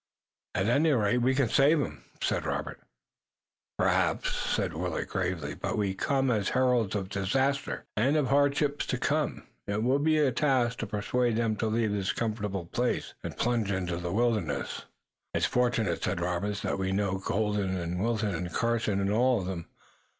"At any rate, we can save 'em," said Robert. "Perhaps," said Willet gravely, "but we come as heralds of disaster occurred, and of hardships to come. It will be a task to persuade them to leave this comfortable place and plunge into the wilderness." "It's fortunate," said Robert, "that we know Colden and Wilton and Carson and all of them.